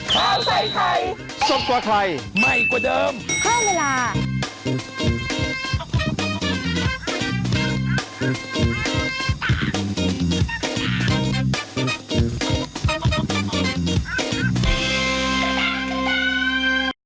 สวัสดีค่ะ